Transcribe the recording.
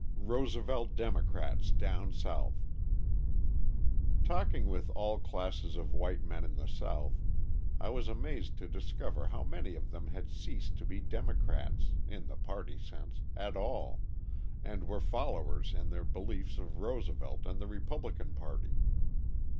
Roosevelt Democrats Down South Talking with all classes of white men in the South, I was amazed to discover how many of them had ceased to be Democrats (in the party sense) at all, and were followers in their beliefs of Roosevelt and the Republican party.